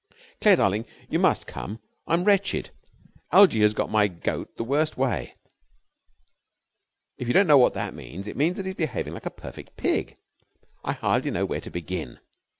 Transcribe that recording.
Claire, darling, you must come. I'm wretched. Algie has got my goat the worst way. If you don't know what that means it means that he's behaving like a perfect pig. I hardly know where to begin.